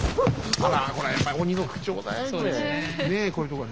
あらこれやっぱり鬼の副長だよこれ。